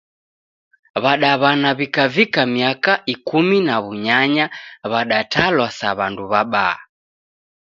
W'adaw'ana w'ikavika miaka Ikumi na w'unyanya w'atalwa sa w'andu w'abaa.